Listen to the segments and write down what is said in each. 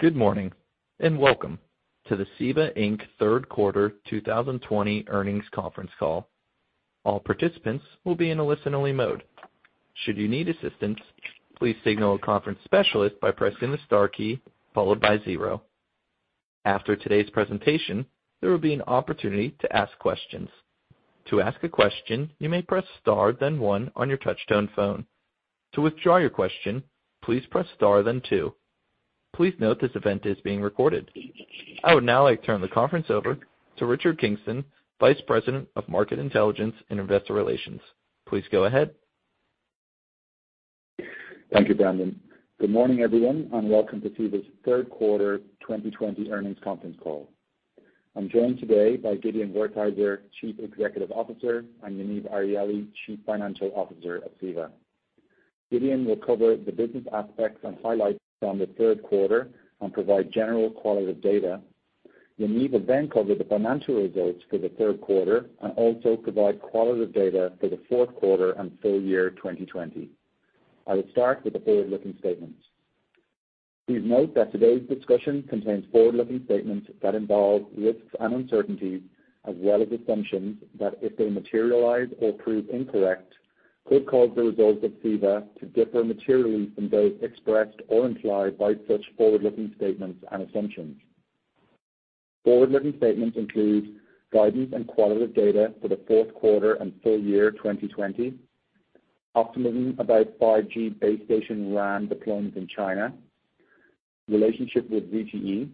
Good morning, welcome to the CEVA, Inc. third quarter 2020 earnings conference call. All participants will be in a listen-only mode. Should you need assistance, please signal a conference specialist by pressing the star key, followed by zero. After today's presentation, there will be an opportunity to ask questions. To ask a question, you may press star then one on your touchtone phone. To withdraw your question, please press star then two. Please note this event is being recorded. I would now like to turn the conference over to Richard Kingston, Vice President of Market Intelligence and Investor Relations. Please go ahead. Thank you, Brandon. Good morning, everyone, and welcome to CEVA's third quarter 2020 earnings conference call. I'm joined today by Gideon Wertheizer, Chief Executive Officer, and Yaniv Arieli, Chief Financial Officer at CEVA. Gideon will cover the business aspects and highlights from the third quarter and provide general qualitative data. Yaniv will cover the financial results for the third quarter and also provide qualitative data for the fourth quarter and full year 2020. I would start with the forward-looking statements. Please note that today's discussion contains forward-looking statements that involve risks and uncertainties, as well as assumptions that, if they materialize or prove incorrect, could cause the results of CEVA to differ materially from those expressed or implied by such forward-looking statements and assumptions. Forward-looking statements include guidance and qualitative data for the fourth quarter and full year 2020, optimism about 5G base station RAN deployments in China, relationship with ZTE,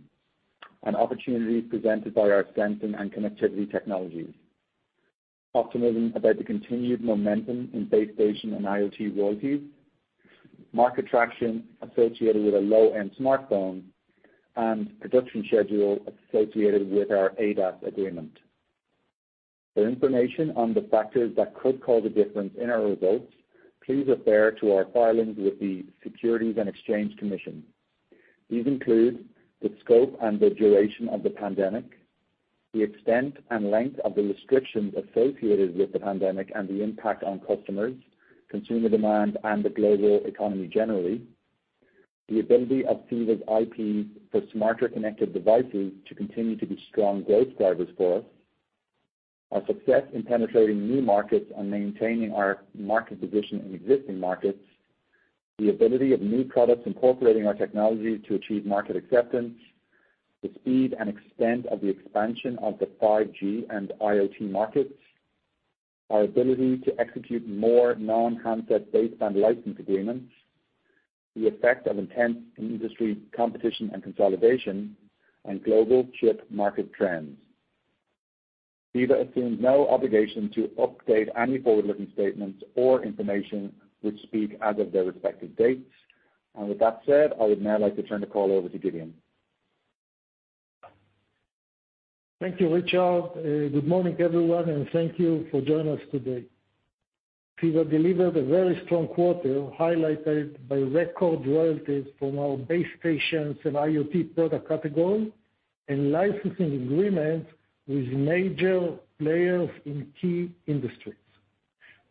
and opportunities presented by our sensing and connectivity technologies. Optimism about the continued momentum in base station and IoT royalties, market traction associated with a low-end smartphone, and production schedule associated with our ADAS agreement. For information on the factors that could cause a difference in our results, please refer to our filings with the Securities and Exchange Commission. These include the scope and the duration of the pandemic, the extent and length of the restrictions associated with the pandemic and the impact on customers, consumer demand, and the global economy generally. The ability of CEVA's IP for smarter connected devices to continue to be strong growth drivers for us, our success in penetrating new markets and maintaining our market position in existing markets, the ability of new products incorporating our technology to achieve market acceptance, the speed and extent of the expansion of the 5G and IoT markets, our ability to execute more non-handset based on license agreements, the effect of intense industry competition and consolidation, and global chip market trends. CEVA assumes no obligation to update any forward-looking statements or information which speak as of their respective dates. With that said, I would now like to turn the call over to Gideon. Thank you, Richard. Good morning, everyone, and thank you for joining us today. CEVA delivered a very strong quarter, highlighted by record royalties from our base stations and IoT product category and licensing agreements with major players in key industries.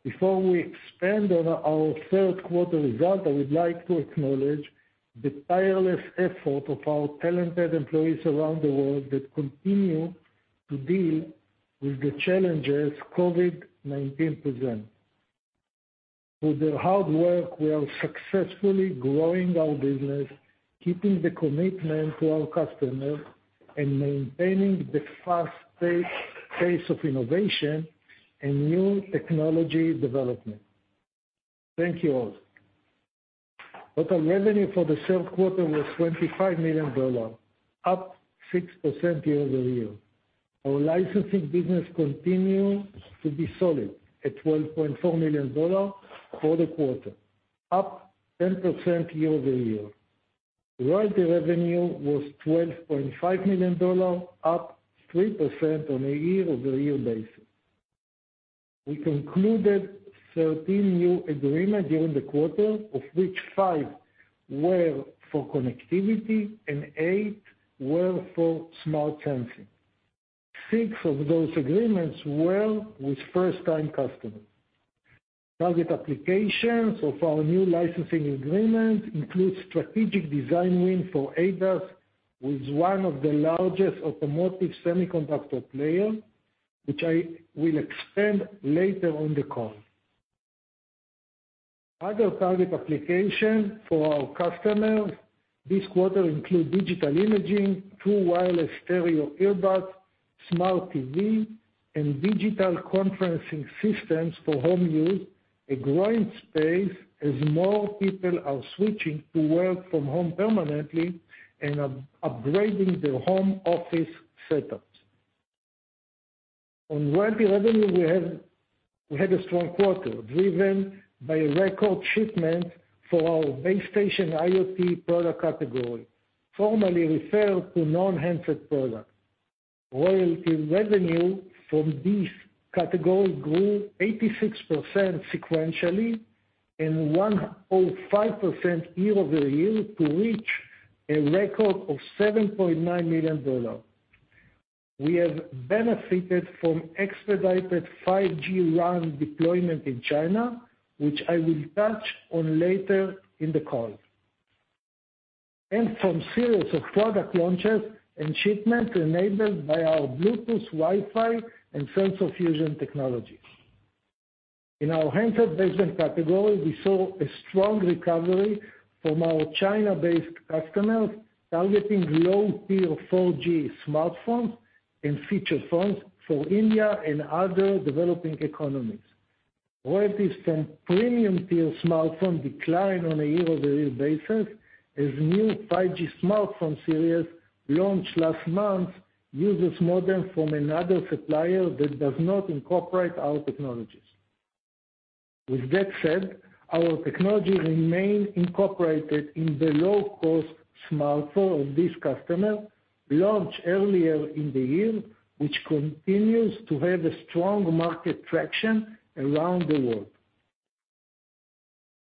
Before we expand on our third quarter result, I would like to acknowledge the tireless effort of our talented employees around the world that continue to deal with the challenges COVID-19 present. Through their hard work, we are successfully growing our business, keeping the commitment to our customers, and maintaining the fast pace of innovation and new technology development. Thank you all. Total revenue for the third quarter was $25 million, up 6% year-over-year. Our licensing business continues to be solid at $12.4 million for the quarter, up 10% year-over-year. Royalty revenue was $12.5 million, up 3% on a year-over-year basis. We concluded 13 new agreements during the quarter, of which five were for connectivity and eight were for smart sensing. Six of those agreements were with first-time customers. Target applications of our new licensing agreements include strategic design win for ADAS with one of the largest automotive semiconductor players, which I will expand later on the call. Other target application for our customers this quarter include digital imaging, two wireless stereo earbuds, smart TV, and digital conferencing systems for home use, a growing space as more people are switching to work from home permanently and are upgrading their home office setups. On royalty revenue, we had a strong quarter, driven by record shipments for our base station IoT product category, formerly referred to non-handset products. Royalty revenue from this category grew 86% sequentially and 105% year-over-year to reach a record of $7.9 million. We have benefited from expedited 5G RAN deployment in China, which I will touch on later in the call, and from series of product launches and shipments enabled by our Bluetooth, Wi-Fi, and sensor fusion technologies. In our handset baseband category, we saw a strong recovery from our China-based customers targeting low-tier 4G smartphones and feature phones for India and other developing economies. Royalties from premium tier smartphone decline on a year-over-year basis as new 5G smartphone series launched last month uses modem from another supplier that does not incorporate our technologies. With that said, our technology remain incorporated in the low-cost smartphone of this customer launched earlier in the year, which continues to have a strong market traction around the world.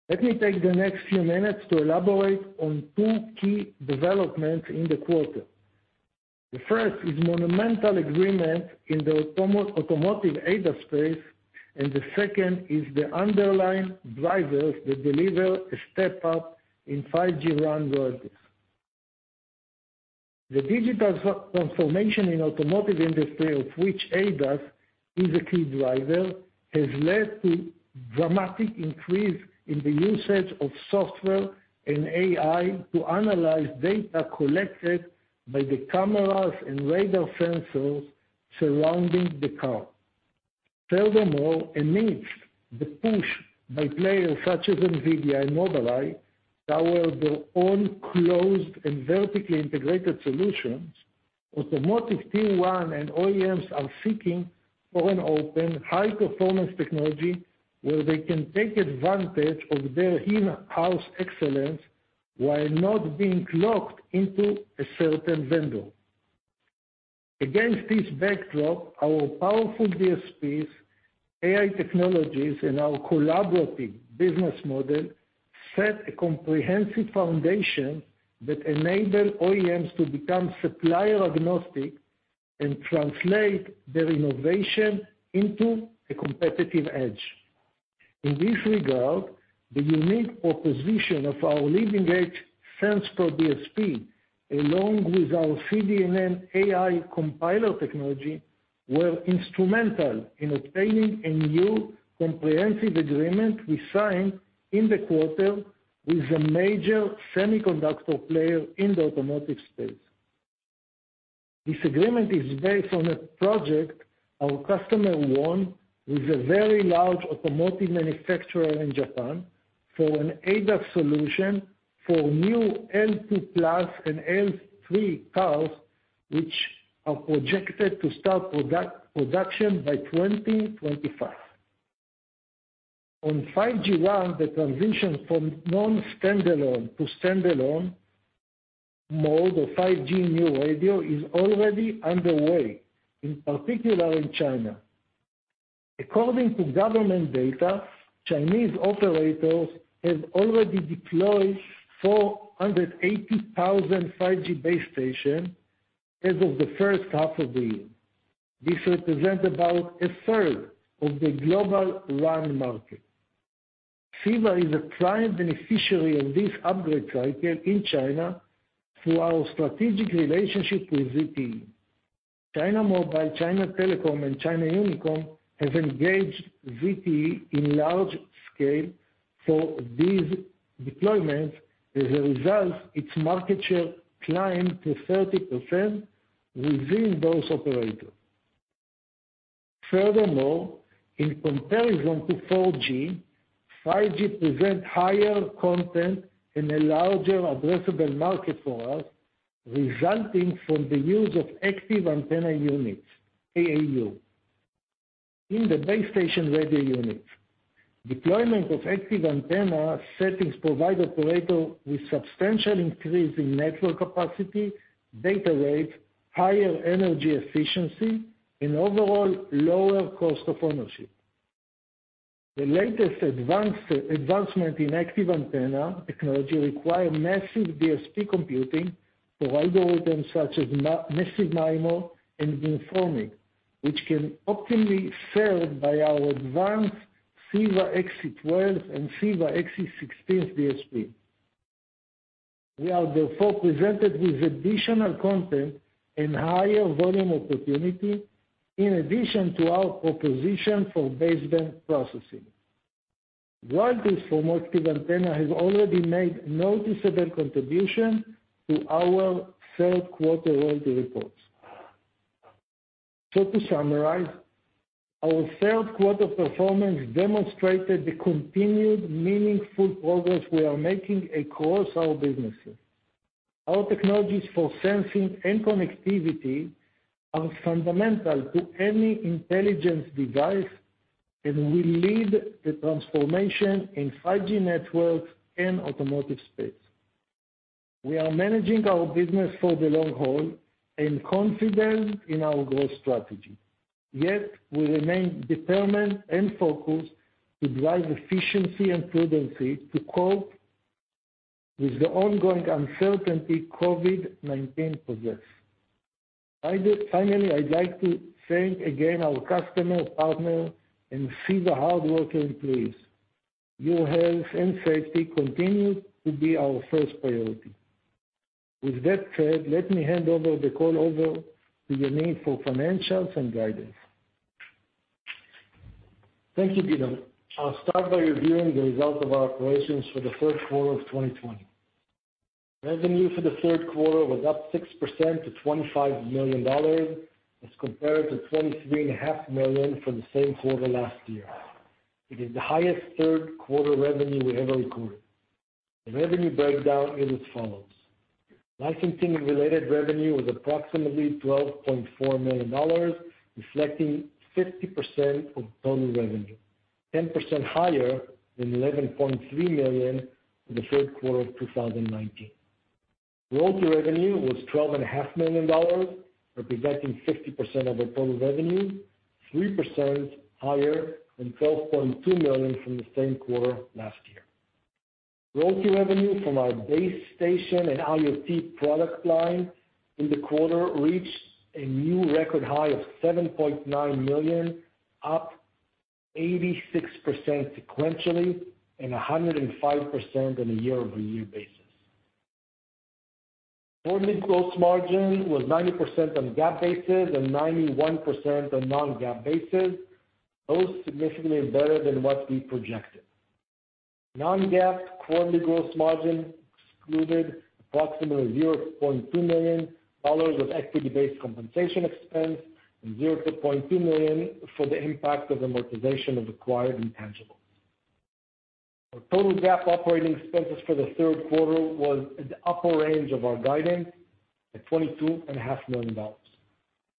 Let me take the next few minutes to elaborate on two key developments in the quarter. The first is monumental agreement in the automotive ADAS space, and the second is the underlying drivers that deliver a step up in 5G RAN royalties. The digital transformation in automotive industry, of which ADAS is a key driver, has led to dramatic increase in the usage of software and AI to analyze data collected by the cameras and RADAR sensors surrounding the car. Furthermore, amidst the push by players such as NVIDIA and Mobileye toward their own closed and vertically integrated solutions, automotive Tier 1 and OEMs are seeking for an open high-performance technology where they can take advantage of their in-house excellence while not being locked into a certain vendor. Against this backdrop, our powerful DSPs, AI technologies, and our collaborative business model set a comprehensive foundation that enable OEMs to become supplier-agnostic and translate their innovation into a competitive edge. In this regard, the unique proposition of our leading-edge sensor DSP, along with our CDNN-AI compiler technology, were instrumental in obtaining a new comprehensive agreement we signed in the quarter with a major semiconductor player in the automotive space. This agreement is based on a project our customer won with a very large automotive manufacturer in Japan for an ADAS solution for new L2+ and L3 cars, which are projected to start production by 2025. On 5G RAN, the transition from non-standalone to standalone mode of 5G new radio is already underway, in particular in China. According to government data, Chinese operators have already deployed 480,000 5G base station as of the first half of the year. This represents about a third of the global RAN market. CEVA is a prime beneficiary of this upgrade cycle in China through our strategic relationship with ZTE. China Mobile, China Telecom, and China Unicom have engaged ZTE in large scale for these deployments. As a result, its market share climbed to 30% within those operators. In comparison to 4G, 5G present higher content and a larger addressable market for us, resulting from the use of active antenna units, AAU, in the base station radio units. Deployment of active antenna settings provide operator with substantial increase in network capacity, data rate, higher energy efficiency, and overall lower cost of ownership. The latest advancement in active antenna technology require massive DSP computing for algorithms such as massive MIMO and beamforming, which can optimally served by our advanced CEVA-XC12 and CEVA-XC16 DSP. We are therefore presented with additional content and higher volume opportunity in addition to our proposition for baseband processing. Royalties from active antenna has already made noticeable contribution to our third quarter royalty reports. To summarize, our third quarter performance demonstrated the continued meaningful progress we are making across our businesses. Our technologies for sensing and connectivity are fundamental to any intelligence device and will lead the transformation in 5G networks and automotive space. We are managing our business for the long haul and confident in our growth strategy. Yet we remain determined and focused to drive efficiency and prudency to cope with the ongoing uncertainty COVID-19 possess. Finally, I'd like to thank again our customer partner and CEVA hard-working employees. Your health and safety continue to be our first priority. With that said, let me hand over the call over to Yaniv for financials and guidance. Thank you, Gideon. I'll start by reviewing the results of our operations for the third quarter of 2020. Revenue for the third quarter was up 6% to $25 million as compared to $23.5 million for the same quarter last year. It is the highest third quarter revenue we ever recorded. The revenue breakdown is as follows. Licensing and related revenue was approximately $12.4 million, reflecting 50% of total revenue, 10% higher than $11.3 million in the third quarter of 2019. Royalty revenue was $12.5 million, representing 50% of our total revenue, 3% higher than $12.2 million from the same quarter last year. Royalty revenue from our base station and IoT product line in the quarter reached a new record high of $7.9 million, up 86% sequentially and 105% on a year-over-year basis. Quarterly gross margin was 90% on GAAP basis and 91% on non-GAAP basis, both significantly better than what we projected. Non-GAAP quarterly gross margin excluded approximately $0.2 million of equity-based compensation expense and $0.2 million for the impact of amortization of acquired intangibles. Our total GAAP operating expenses for the third quarter was at the upper range of our guidance at $22.5 million.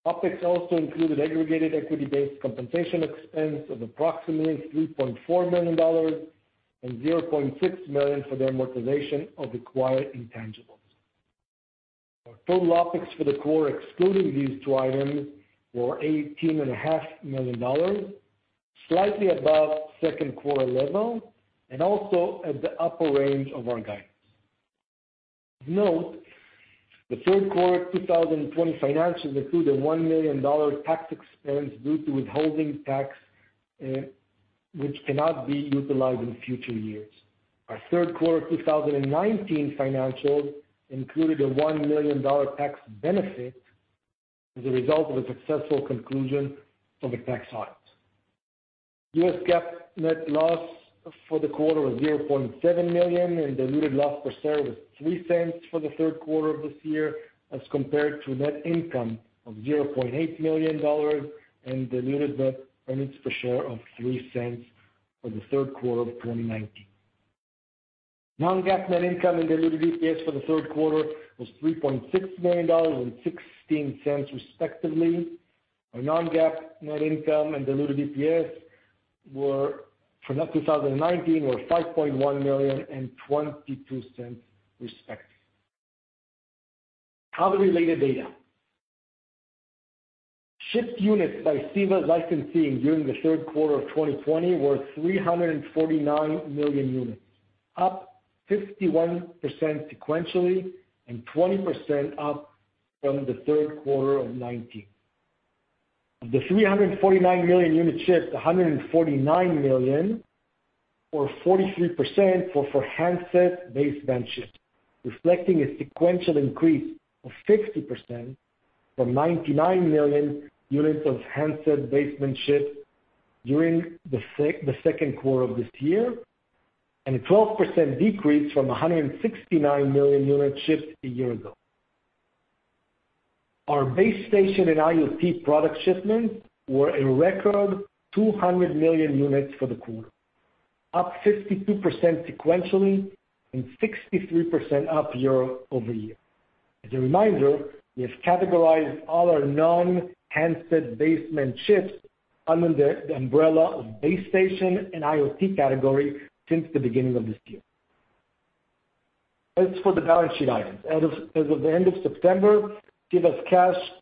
OpEx also included aggregated equity-based compensation expense of approximately $3.4 million and $0.6 million for the amortization of acquired intangibles. Our total OpEx for the quarter excluding these two items were $18.5 million, slightly above second quarter level and also at the upper range of our guidance. Note, the third quarter 2020 financials include a $1 million tax expense due to withholding tax, which cannot be utilized in future years. Our third quarter 2019 financials included a $1 million tax benefit as a result of a successful conclusion of a tax audit. U.S. GAAP net loss for the quarter was $0.7 million, and diluted loss per share was $0.03 for the third quarter of this year, as compared to net income of $0.8 million and diluted net earnings per share of $0.03 for the third quarter of 2019. Non-GAAP net income and diluted EPS for the third quarter was $3.6 million and $0.16 respectively. Our non-GAAP net income and diluted EPS for 2019 were $5.1 million and $0.22 respectively. The related data. Shipped units by CEVA licensing during the third quarter of 2020 were 349 million units, up 51% sequentially and 20% up from the third quarter of 2019. Of the 349 million units shipped, 149 million or 43% were for handset baseband shipped, reflecting a sequential increase of 50% from 99 million units of handset baseband shipped during the second quarter of this year, and a 12% decrease from 169 million units shipped a year ago. Our base station and IoT product shipments were a record 200 million units for the quarter, up 52% sequentially and 63% up year-over-year. As a reminder, we have categorized all our non-handset baseband chips under the umbrella of base station and IoT category since the beginning of this year. As for the balance sheet items, as of the end of September, CEVA's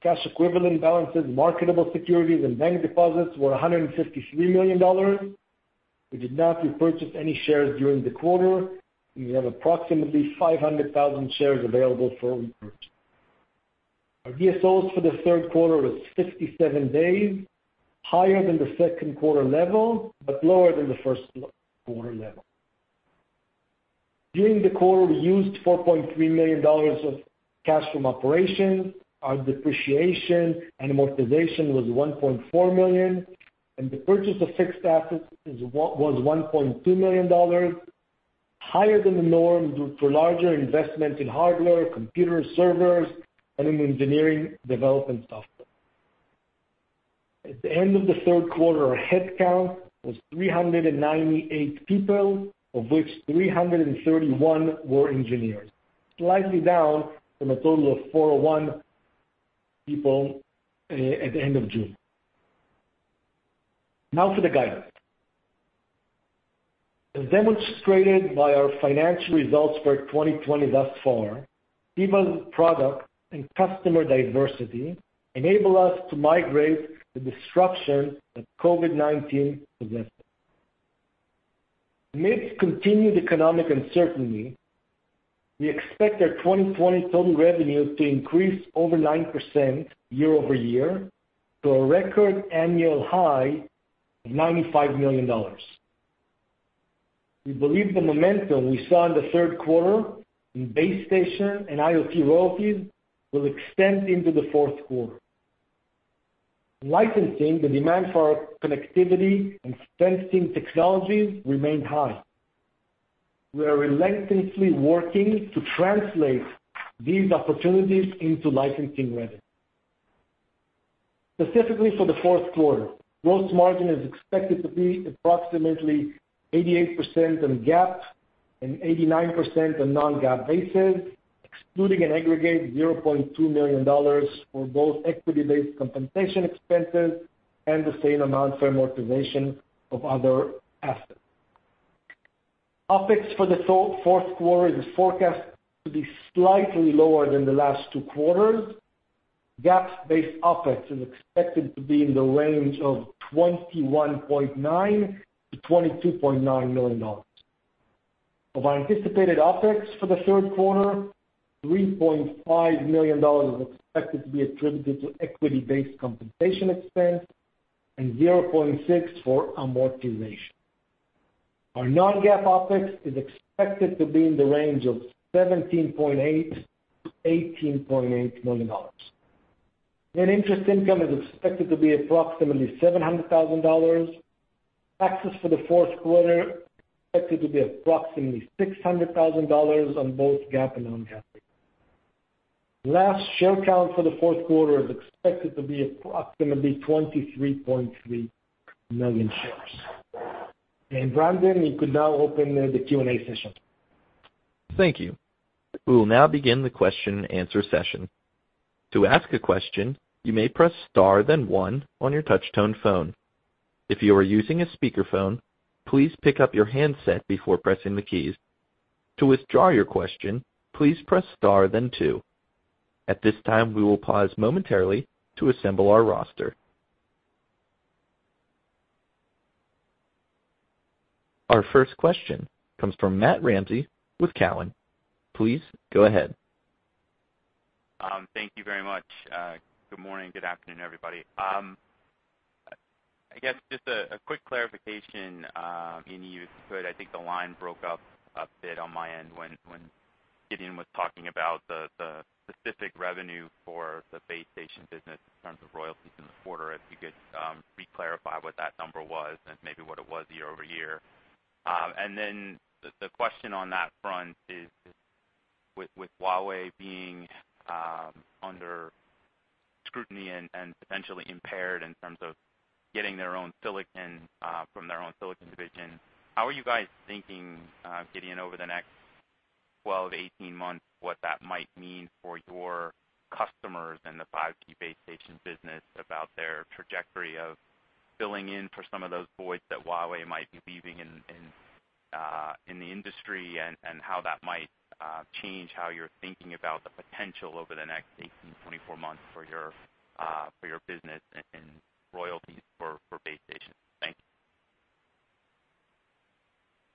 cash equivalent balances, marketable securities, and bank deposits were $153 million. We did not repurchase any shares during the quarter. We have approximately 500,000 shares available for repurchase. Our DSO for the third quarter was 57 days, higher than the second quarter level, but lower than the first quarter level. During the quarter, we used $4.3 million of cash from operations. Our depreciation and amortization was $1.4 million, and the purchase of fixed assets was $1.2 million, higher than the norm due to larger investment in hardware, computer servers, and in engineering development software. At the end of the third quarter, our headcount was 398 people, of which 331 were engineers, slightly down from a total of 401 people, at the end of June. Now for the guidance. As demonstrated by our financial results for 2020 thus far, CEVA's product and customer diversity enable us to migrate the disruption that COVID-19 presented. Amidst continued economic uncertainty, we expect our 2020 total revenues to increase over 9% year-over-year to a record annual high of $95 million. We believe the momentum we saw in the third quarter in base station and IoT royalties will extend into the fourth quarter. In licensing, the demand for our connectivity and sensing technologies remained high. We are relentlessly working to translate these opportunities into licensing revenue. Specifically for the fourth quarter, gross margin is expected to be approximately 88% on GAAP and 89% on non-GAAP basis, excluding an aggregate $0.2 million for both equity-based compensation expenses and the same amount for amortization of other assets. OpEx for the fourth quarter is forecast to be slightly lower than the last two quarters. GAAP-based OpEx is expected to be in the range of $21.9 million-$22.9 million. Of our anticipated OpEx for the third quarter, $3.5 million is expected to be attributed to equity-based compensation expense and $0.6 for amortization. Our non-GAAP OpEx is expected to be in the range of $17.8 million-$18.8 million. Net interest income is expected to be approximately $700,000. Taxes for the fourth quarter are expected to be approximately $600,000 on both GAAP and non-GAAP. Last, share count for the fourth quarter is expected to be approximately 23.3 million shares. Brandon, you could now open the Q&A session. Thank you. We will now begin the question and answer session. To ask a question, you may press star then one on your touch tone phone. If you are using a speaker phone, please pick up your handset before pressing the keys. To withdraw your question, please press star then two. At this time, we will pause momentarily to assemble our roster. Our first question comes from Matt Ramsay with Cowen. Please go ahead. Thank you very much. Good morning, good afternoon, everybody. I guess just a quick clarification, if you could. I think the line broke up a bit on my end when Gideon was talking about the specific revenue for the base station business in terms of royalties in the quarter, if you could re-clarify what that number was and maybe what it was year-over-year. Then the question on that front is with Huawei being under scrutiny and potentially impaired in terms of getting their own silicon from their own silicon division, how are you guys thinking, Gideon, over the next 12, 18 months, what that might mean for your customers and the 5G base station business about their trajectory of filling in for some of those voids that Huawei might be leaving in the industry and how that might change how you're thinking about the potential over the next 18, 24 months for your business and royalties for base stations?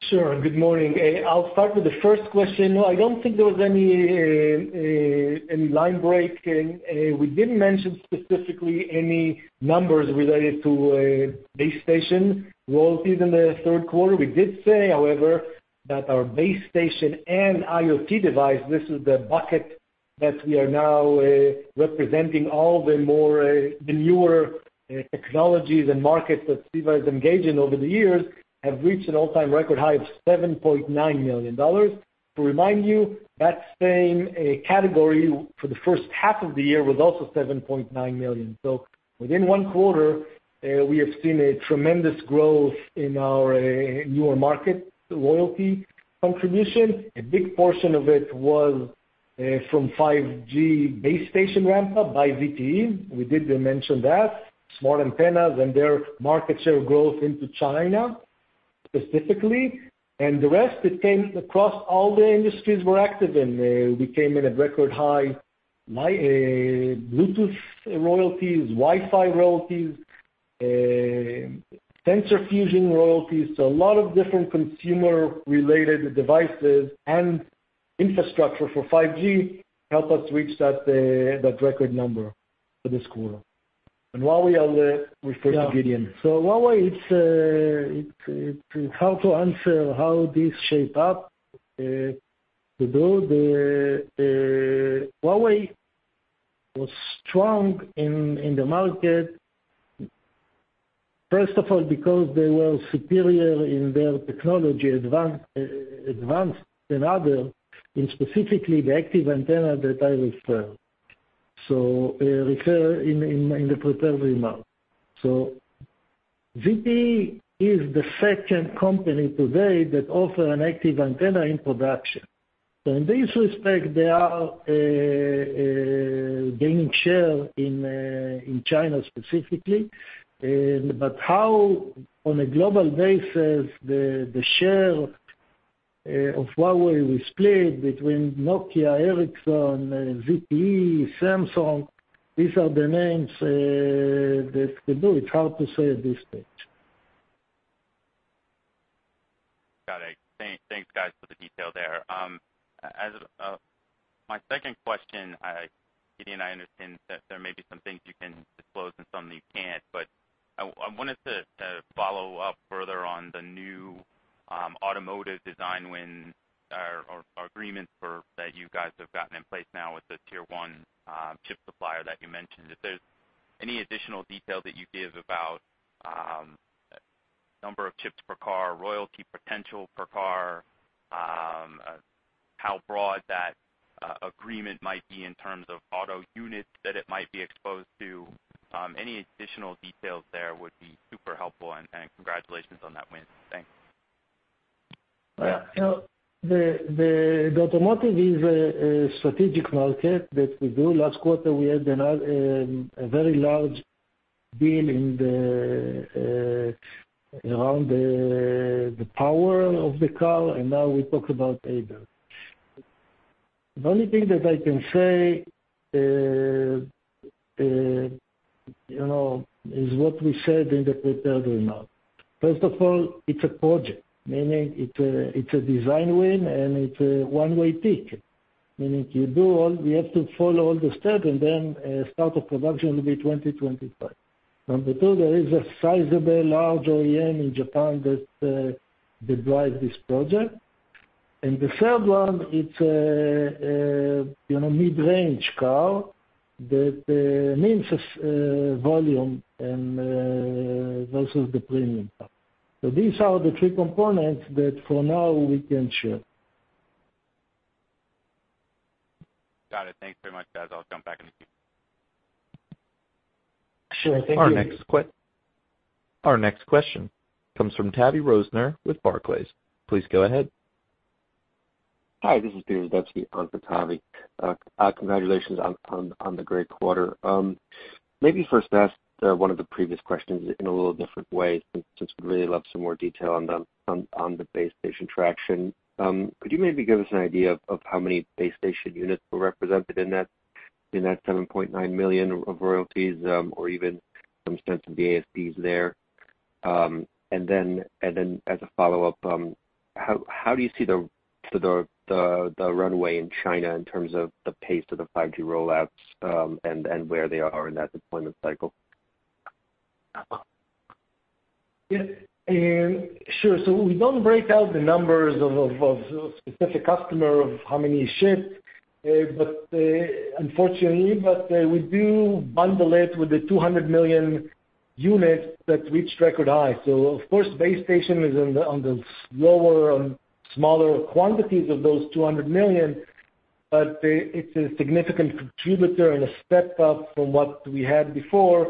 Thank you. Sure. Good morning. I'll start with the first question. No, I don't think there was any line break. We didn't mention specifically any numbers related to base station royalties in the third quarter. We did say, however, that our base station and IoT device, this is the bucket that we are now representing all the newer technologies and markets that CEVA has engaged in over the years, have reached an all-time record high of $7.9 million. To remind you, that same category for the first half of the year was also $7.9 million. Within one quarter, we have seen a tremendous growth in our newer market royalty contribution. A big portion of it was from 5G base station ramp-up by ZTE. We did mention that. Smart antennas and their market share growth into China specifically. The rest, it came across all the industries we're active in. We came in at record high Bluetooth royalties, Wi-Fi royalties, sensor fusion royalties. A lot of different consumer-related devices and infrastructure for 5G helped us reach that record number for this quarter. Huawei, I'll refer to Gideon. Yeah. Huawei, it's hard to answer how this shape up to do. Huawei was strong in the market, first of all, because they were superior in their technology, advanced than other, in specifically the active antenna that I refer in the prepared remarks. ZTE is the second company today that offer an active antenna in production. In this respect, they are gaining share in China specifically. How, on a global basis, the share of Huawei was played between Nokia, Ericsson, ZTE, Samsung. These are the names, that we do. It's hard to say at this stage. Got it. Thanks, guys, for the detail there. My second question, Gideon, I understand that there may be some things you can disclose and some that you can't, but I wanted to follow up further on the new automotive design wins or agreements that you guys have gotten in place now with the Tier 1 chip supplier that you mentioned. If there's any additional detail that you give about number of chips per car, royalty potential per car, how broad that agreement might be in terms of auto units that it might be exposed to. Any additional details there would be super helpful, congratulations on that win. Thanks. The automotive is a strategic market that we do. Last quarter, we had a very large deal around the power of the car. Now we talk about ADAS. The only thing that I can say is what we said in the prepared remarks. First of all, it's a project, meaning it's a design win, and it's a one-way ticket, meaning we have to follow all the steps, and then start of production will be 2025. Number two, there is a sizable, large OEM in Japan that drive this project. The third one, it's a mid-range car that means volume and versus the premium car. These are the three components that for now we can share. Got it. Thanks very much, guys. I'll jump back in the queue. Sure thing. Our next question comes from Tavy Rosner with Barclays. Please go ahead. Hi, this is Peter Dovchi on for Tavy. Congratulations on the great quarter. First ask one of the previous questions in a little different way, since we'd really love some more detail on the base station traction. Could you maybe give us an idea of how many base station units were represented in that $7.9 million of royalties or even some sense of the ASPs there? As a follow-up, how do you see the runway in China in terms of the pace of the 5G rollouts and where they are in that deployment cycle? Sure. We don't break out the numbers of specific customer, of how many shipped, but unfortunately, we do bundle it with the 200 million units that reached record high. Of course, base station is on the lower, on smaller quantities of those 200 million, but it's a significant contributor and a step up from what we had before,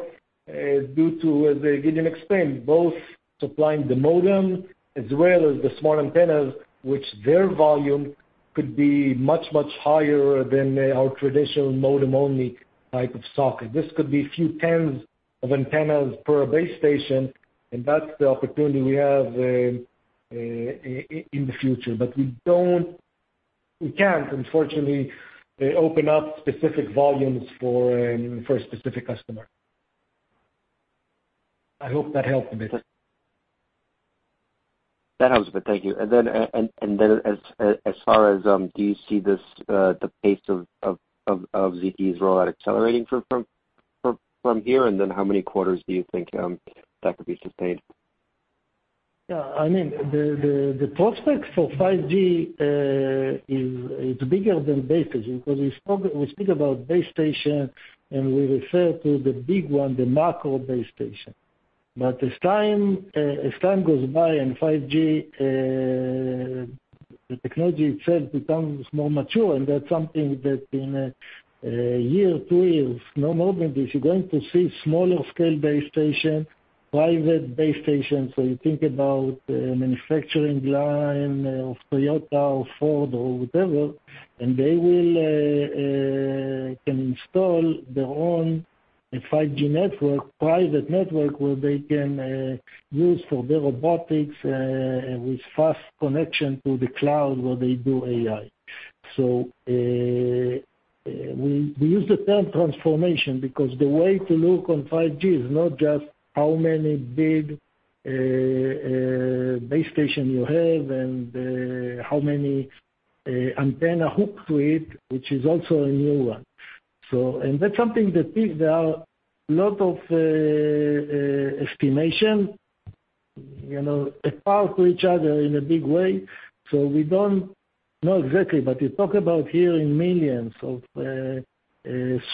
due to, as Gideon explained, both supplying the modem as well as the small antennas, which their volume could be much, much higher than our traditional modem-only type of socket. This could be a few tens of antennas per base station, that's the opportunity we have in the future. We can't, unfortunately, open up specific volumes for a specific customer. I hope that helped a bit. That helps a bit. Thank you. As far as, do you see the pace of ZTE's rollout accelerating from here, and then how many quarters do you think that could be sustained? The prospect for 5G, it's bigger than base station, because we speak about base station, and we refer to the big one, the macro base station. As time goes by and 5G, the technology itself becomes more mature, and that's something that in one year, two years, no more than this, you're going to see smaller scale base station, private base station. You think about manufacturing line of Toyota or Ford or whatever, and they can install their own 5G network, private network, where they can use for their robotics, with fast connection to the cloud where they do AI. We use the term transformation because the way to look on 5G is not just how many big base station you have and how many antenna hooked to it, which is also a new one. That's something that there are lot of estimations apart to each other in a big way. We don't know exactly, but we talk about here in millions of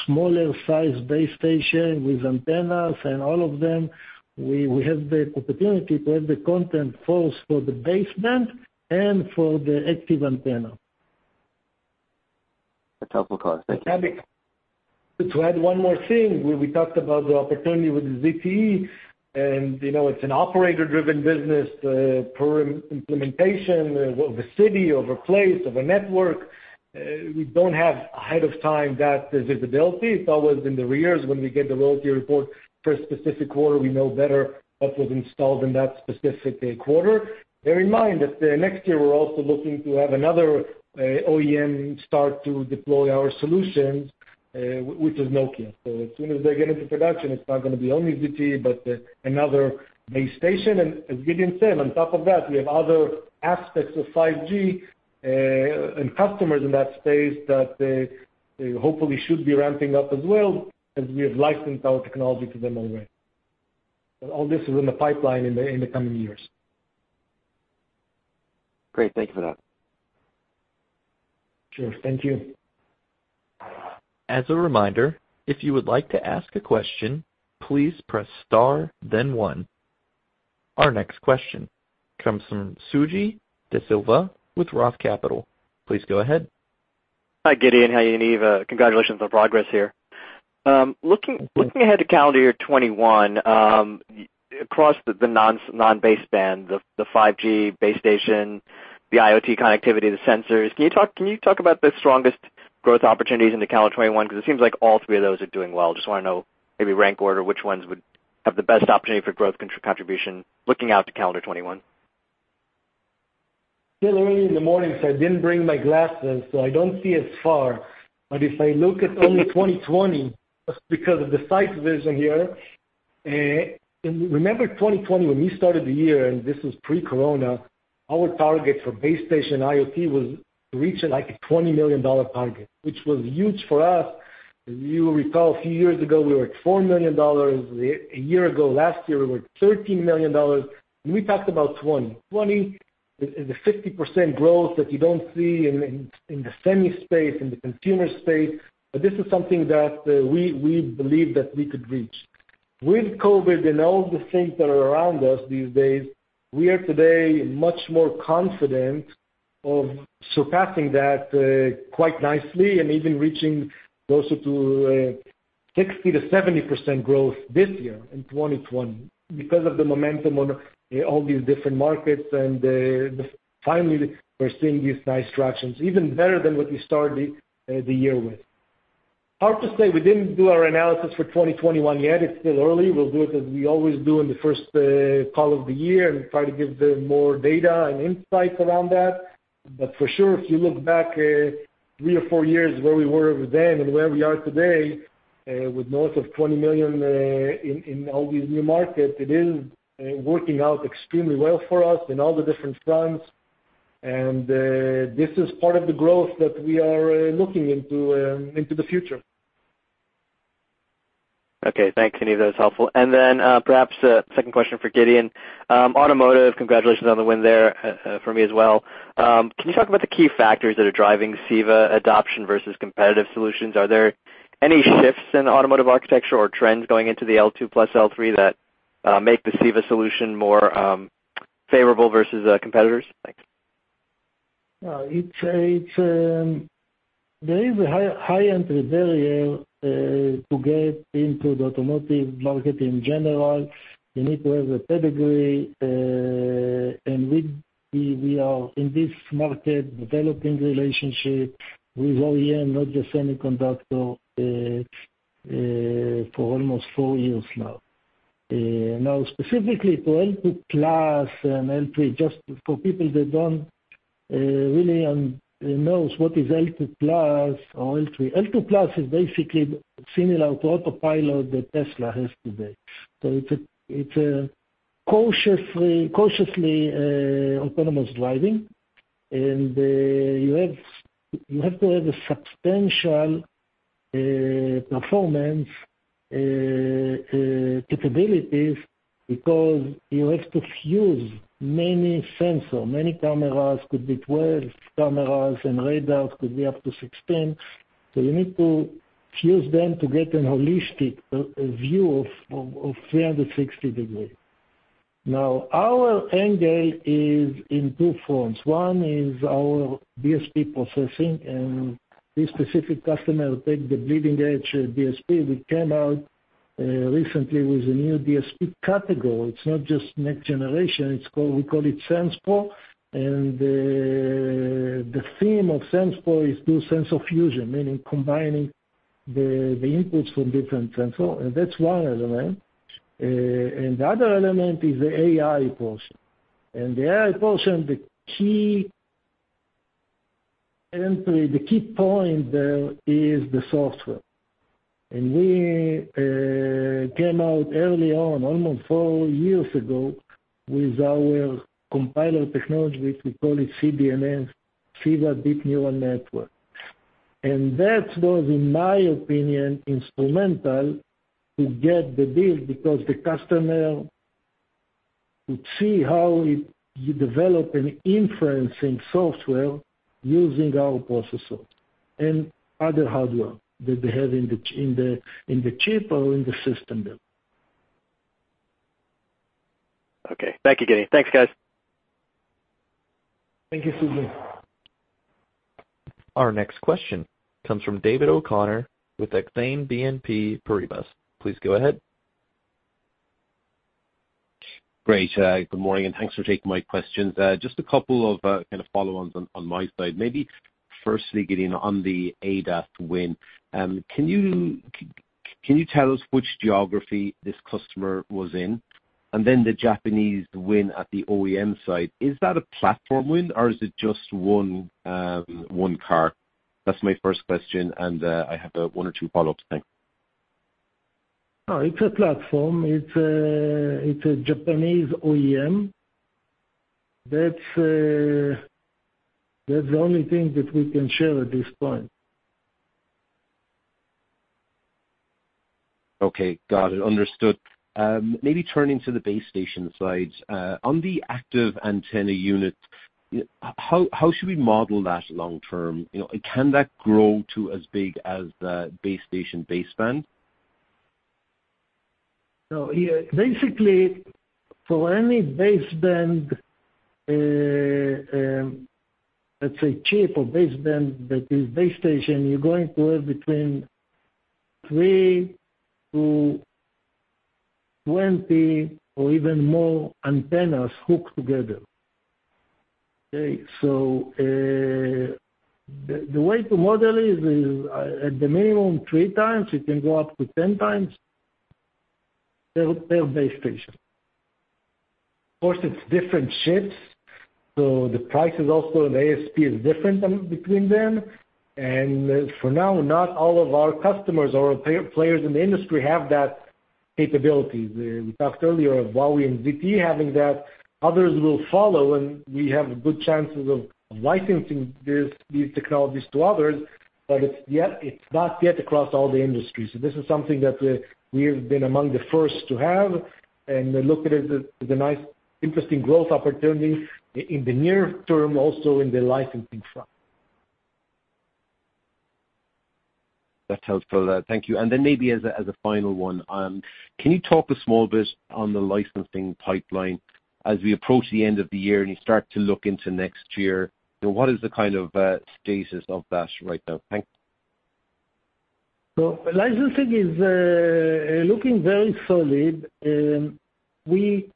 smaller size base stations with antennas and all of them. We have the opportunity to have the content both for the basement and for the active antenna. That's helpful. Thanks. To add one more thing, where we talked about the opportunity with ZTE, it's an operator-driven business, per implementation of a city, of a place, of a network. We don't have ahead of time that visibility. It's always in the rears when we get the royalty report for a specific quarter, we know better what was installed in that specific quarter. Bear in mind that next year we're also looking to have another OEM start to deploy our solutions, which is Nokia. As soon as they get into production, it's not going to be only ZTE, but another base station. As Gideon said, on top of that, we have other aspects of 5G, customers in that space that hopefully should be ramping up as well, we have licensed our technology to them already. All this is in the pipeline in the coming years. Great. Thank you for that. Sure. Thank you. As a reminder, if you would like to ask a question, please press star, then one. Our next question comes from Suji Desilva with ROTH Capital. Please go ahead. Hi, Gideon. Hi, Yaniv. Congratulations on progress here. Looking ahead to calendar year 2021, across the non-baseband, the 5G base station, the IoT connectivity, the sensors, can you talk about the strongest growth opportunities into calendar 2021? It seems like all three of those are doing well. I just want to know maybe rank order which ones would have the best opportunity for growth contribution looking out to calendar 2021. Still early in the morning, so I didn't bring my glasses, so I don't see as far. If I look at only 2020, because of the site vision here, and remember 2020 when we started the year, and this was pre-corona, our target for base station IoT was to reach like a $20 million target, which was huge for us. You recall a few years ago, we were at $4 million. A year ago, last year, we were $13 million, and we talked about $20 million. $20 million is a 50% growth that you don't see in the semi space, in the consumer space, but this is something that we believe that we could reach. With COVID and all the things that are around us these days, we are today much more confident of surpassing that quite nicely and even reaching closer to 60%-70% growth this year in 2021 because of the momentum on all these different markets. Finally, we're seeing these nice tractions, even better than what we started the year with. Hard to say, we didn't do our analysis for 2021 yet. It's still early. We'll do it as we always do in the first call of the year and try to give the more data and insights around that. For sure, if you look back three or four years where we were then and where we are today, with north of $20 million in all these new markets, it is working out extremely well for us in all the different fronts. This is part of the growth that we are looking into the future. Okay. Thanks, Yaniv. That was helpful. Then, perhaps a second question for Gideon. Automotive, congratulations on the win there for me as well. Can you talk about the key factors that are driving CEVA adoption versus competitive solutions? Are there any shifts in automotive architecture or trends going into the L2+ L3 that make the CEVA solution more favorable versus competitors? Thanks. There is a high entry barrier to get into the automotive market in general. You need to have a pedigree, We are in this market developing relationships with OEM, not just semiconductor, for almost four years now. Specifically for L2+ and L3, just for people that don't really know what is L2+ or L3. L2+ is basically similar to autopilot that Tesla has today. It's a cautiously autonomous driving, Radars could be up to 16. You have to have a substantial performance capabilities because you have to fuse many sensors, many cameras, could be 12 cameras, and radars could be up to 16. You need to fuse them to get an holistic view of 360-degree. Our end game is in two forms. One is our DSP processing. This specific customer will take the bleeding edge DSP. We came out recently with a new DSP category. It's not just next generation. We call it SensPro. The theme of SensPro is do sensor fusion, meaning combining the inputs from different sensors. That's one element. The other element is the AI portion. In the AI portion, the key entry, the key point there is the software. We came out early on, almost four years ago, with our compiler technology. We call it CDNN, CEVA Deep Neural Network. That was, in my opinion, instrumental to get the deal because the customer could see how you develop an inferencing software using our processor and other hardware that they have in the chip or in the system. Okay. Thank you, Gideon. Thanks, guys. Thank you, Suji. Our next question comes from David O'Connor with Exane BNP Paribas. Please go ahead. Great. Good morning. Thanks for taking my questions. Just a couple of follow-ons on my side. Maybe firstly, Gideon, on the ADAS win, can you tell us which geography this customer was in? Then the Japanese win at the OEM side, is that a platform win or is it just one car? That's my first question. I have one or two follow-ups. Thanks. No, it's a platform. It's a Japanese OEM. That's the only thing that we can share at this point. Okay. Got it. Understood. Maybe turning to the base station side. On the active antenna unit, how should we model that long term? Can that grow to as big as the base station baseband? Basically, for any baseband, let's say chip or baseband, that is base station, you're going to have between three to 20 or even more antennas hooked together. Okay. The way to model it is, at the minimum, three times, it can go up to 10x the base station. Of course, it's different chips, so the price is also, and ASP is different between them. For now, not all of our customers or players in the industry have that capability. We talked earlier of Huawei and ZTE having that. Others will follow, and we have good chances of licensing these technologies to others, but it's not yet across all the industry. This is something that we have been among the first to have, and look at it as a nice, interesting growth opportunity in the near term, also in the licensing front. That's helpful. Thank you. Maybe as a final one, can you talk a small bit on the licensing pipeline as we approach the end of the year, and you start to look into next year? What is the kind of status of that right now? Thanks. Licensing is looking very solid. Let's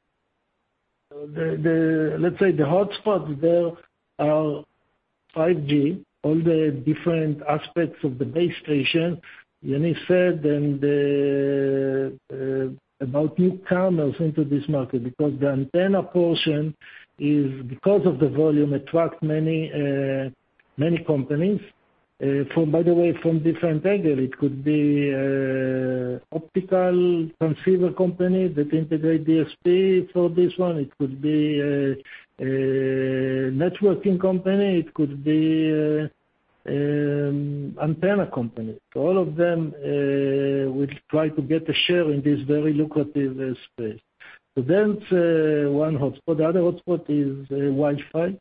say the hotspots there are 5G, all the different aspects of the base station. Yaniv said about new channels into this market, because the antenna portion is, because of the volume, attract many companies, by the way, from different angles. It could be optical transceiver companies that integrate DSP for this one. It could be a networking company, it could be antenna company. All of them will try to get a share in this very lucrative space. That's one hotspot. The other hotspot is Wi-Fi.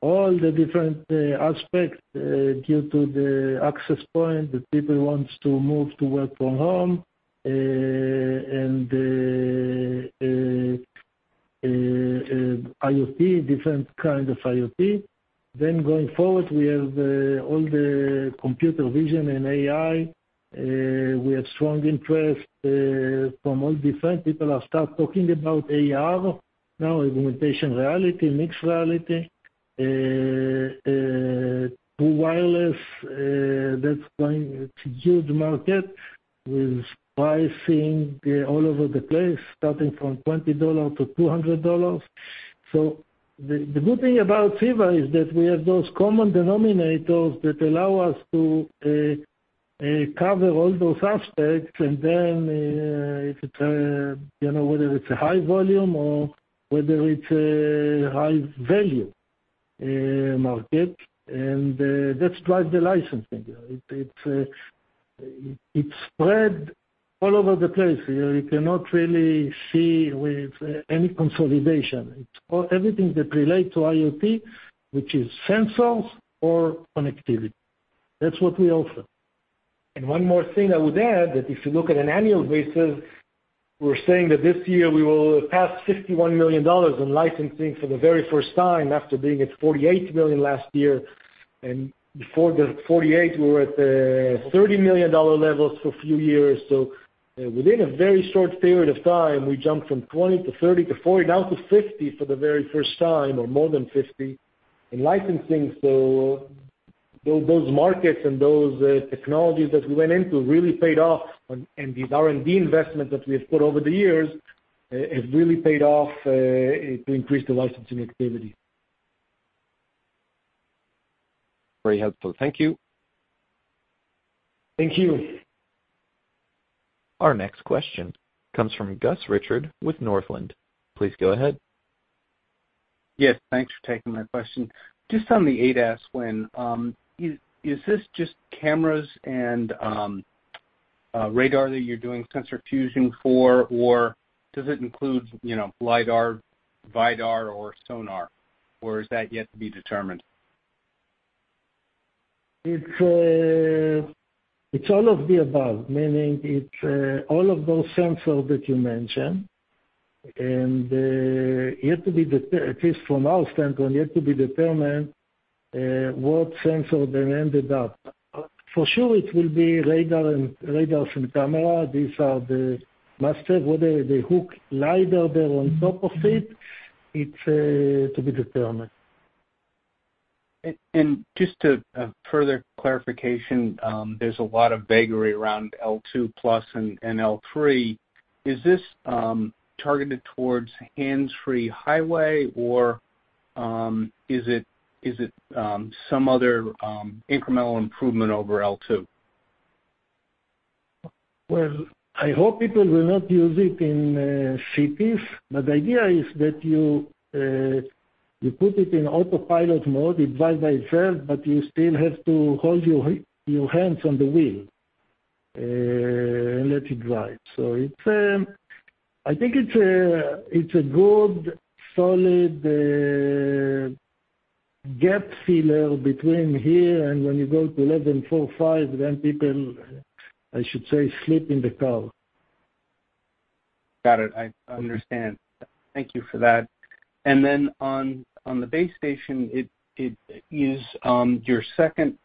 All the different aspects due to the access point that people want to move to work from home, and IoT, different kind of IoT. Going forward, we have all the computer vision and AI. We have strong interest from all different people have start talking about AR now, augmented reality, mixed reality, to wireless. That's going to huge market with pricing all over the place, starting from $20-$200. The good thing about CEVA is that we have those common denominators that allow us to cover all those aspects, and then whether it's a high volume or whether it's a high-value market, and that drives the licensing. It spread all over the place. You cannot really see with any consolidation. It's everything that relates to IoT, which is sensors or connectivity. That's what we offer. One more thing I would add, that if you look at an annual basis, we're saying that this year we will pass $51 million in licensing for the very first time after being at $48 million last year, and before the $48 million, we were at the $30 million levels for a few years. Within a very short period of time, we jumped from $20 million to $30 million to $40 million, now to $50 million for the very first time, or more than $50 million in licensing. Those markets and those technologies that we went into really paid off. These R&D investments that we have put over the years, have really paid off to increase the licensing activity. Very helpful. Thank you. Thank you. Our next question comes from Gus Richard with Northland. Please go ahead. Yes, thanks for taking my question. Just on the ADAS win, is this just cameras and RADAR that you're doing sensor fusion for, or does it include LIDAR, RADAR, or sonar, or is that yet to be determined? It's all of the above, meaning it's all of those sensors that you mentioned, and it has to be, at least from our standpoint, yet to be determined what sensor they ended up. For sure, it will be RADAR and camera. These are the master. Whether they hook LIDAR there on top of it's to be determined. Just to further clarification, there's a lot of vagary around L2+ and L3. Is this targeted towards hands-free highway or is it some other incremental improvement over L2? Well, I hope people will not use it in cities. The idea is that you put it in autopilot mode. It drives by itself. You still have to hold your hands on the wheel and let it drive. I think it's a good, solid gap filler between here and when you go to level four, five. People, I should say, sleep in the car. Got it. I understand. Thank you for that. Then on the base station, is your second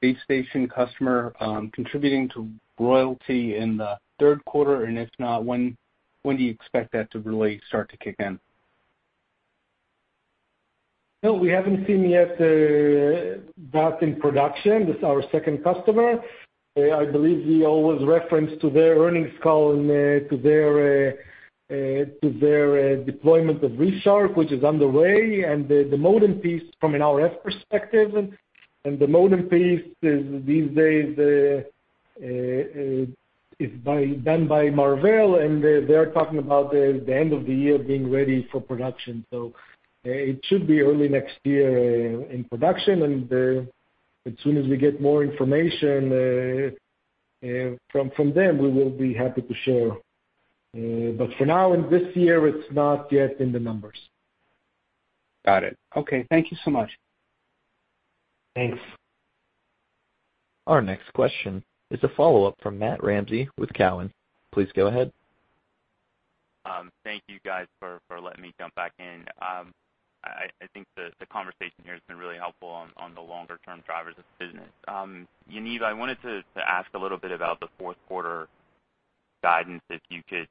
base station customer contributing to royalty in the third quarter? If not, when do you expect that to really start to kick in? No, we haven't seen yet that in production with our second customer. I believe we always reference to their earnings call and to their deployment of ReefShark, which is underway, and the modem piece from an RF perspective. The modem piece these days is done by Marvell, and they're talking about the end of the year being ready for production. It should be early next year in production, and as soon as we get more information from them, we will be happy to share. For now, in this year, it's not yet in the numbers. Got it. Okay, thank you so much. Thanks. Our next question is a follow-up from Matt Ramsay with Cowen. Please go ahead. Thank you guys for letting me jump back in. I think the conversation here has been really helpful on the longer-term drivers of the business. Yaniv, I wanted to ask a little bit about the fourth quarter guidance, if you could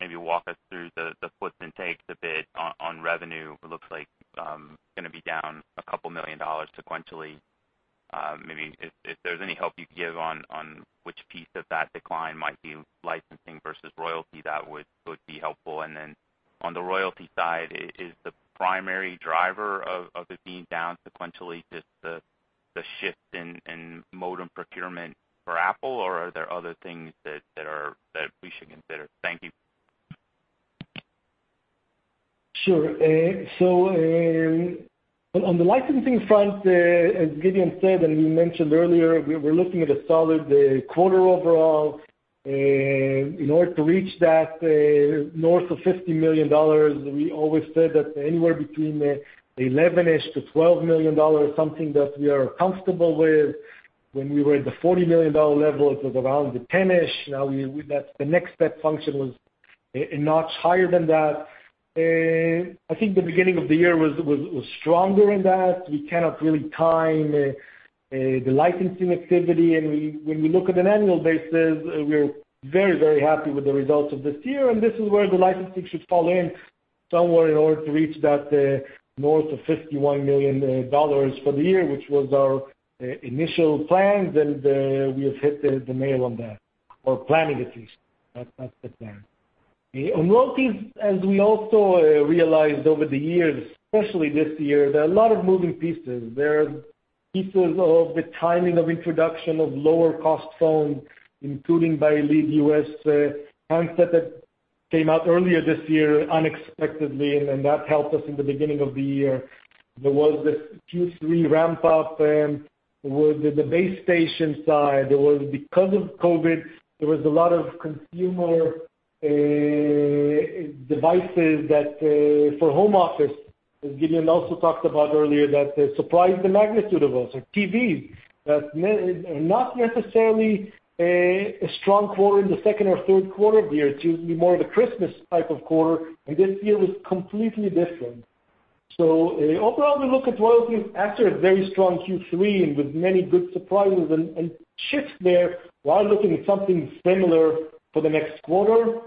maybe walk us through the puts and takes a bit on revenue. It looks like it's going to be down a couple million dollars sequentially. Maybe if there's any help you could give on which piece of that decline might be licensing versus royalty, that would be helpful. On the royalty side, is the primary driver of it being down sequentially just the shift in modem procurement for Apple, or are there other things that we should consider? Thank you. Sure. On the licensing front, as Gideon said, and we mentioned earlier, we're looking at a solid quarter overall. In order to reach that north of $50 million, we always said that anywhere between $11-ish to $12 million is something that we are comfortable with. When we were at the $40 million level, it was around the 10-ish. The next step function was a notch higher than that. I think the beginning of the year was stronger in that. We cannot really time the licensing activity. When we look at an annual basis, we're very happy with the results of this year. This is where the licensing should fall in, somewhere in order to reach that north of $51 million for the year, which was our initial plans. We have hit the nail on that, or planning at least. That's the plan. On royalties, as we also realized over the years, especially this year, there are a lot of moving pieces. There are pieces of the timing of introduction of lower-cost phones, including by a lead U.S. handset that came out earlier this year unexpectedly. That helped us in the beginning of the year. There was this Q3 ramp-up with the base station side. There was, because of COVID, there was a lot of consumer devices that for home office, as Gideon also talked about earlier, that surprised the magnitude of those. TVs, that are not necessarily a strong quarter in the second or third quarter of the year. It's usually more of a Christmas type of quarter. This year was completely different. Overall, we look at royalties after a very strong Q3 and with many good surprises and shifts there while looking at something similar for the next quarter.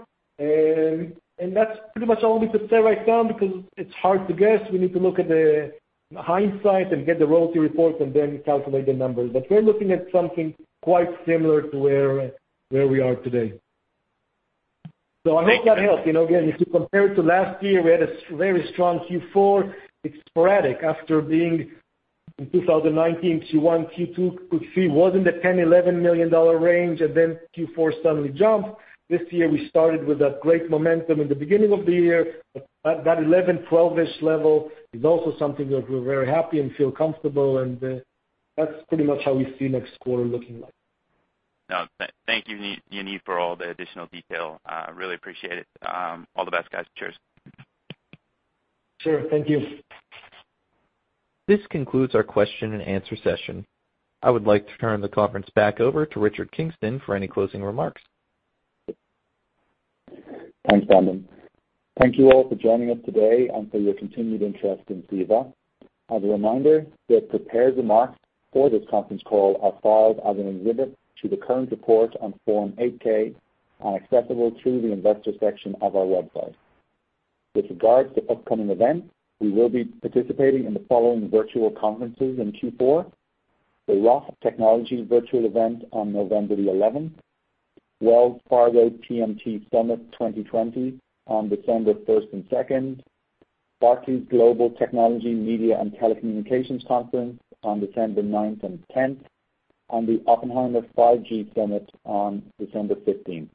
That's pretty much all we could say right now because it's hard to guess. We need to look at the hindsight and get the royalty report and then calculate the numbers. We're looking at something quite similar to where we are today. I think that helps. If you compare it to last year, we had a very strong Q4. It's sporadic after being in 2019, Q1, Q2 could see was in the $10 million, $11 million range, and then Q4 suddenly jumped. This year, we started with that great momentum in the beginning of the year at that 11, 12-ish level is also something that we're very happy and feel comfortable. That's pretty much how we see next quarter looking like. No, thank you, Yaniv, for all the additional detail. I really appreciate it. All the best, guys. Cheers. Sure. Thank you. This concludes our question and answer session. I would like to turn the conference back over to Richard Kingston for any closing remarks. Thanks, Brandon. Thank you all for joining us today and for your continued interest in CEVA. As a reminder, the prepared remarks for this conference call are filed as an exhibit to the current report on Form 8-K and accessible through the investor section of our website. With regards to upcoming events, we will be participating in the following virtual conferences in Q4: the ROTH Technology Virtual Event on November 11th, Wells Fargo TMT Summit 2020 on December 1st and 2nd, Barclays Global Technology, Media, and Telecommunications Conference on December 9th and 10th, and the Oppenheimer 5G Summit on December 15th.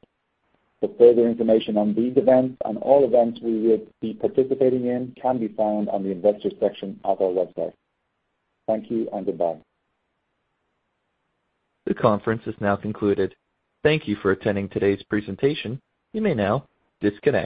For further information on these events and all events we will be participating in can be found on the investors section of our website. Thank you and goodbye. The conference is now concluded. Thank you for attending today's presentation. You may now disconnect.